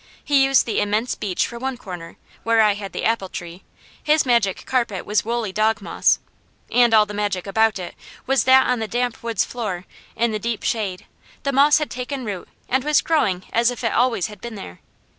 He used the immense beech for one corner, where I had the apple tree. His Magic Carpet was woolly dog moss, and all the magic about it, was that on the damp woods floor, in the deep shade, the moss had taken root and was growing as if it always had been there.